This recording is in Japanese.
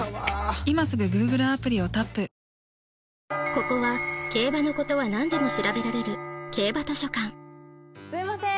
ここは競馬のことはなんでも調べられる競馬図書館すいません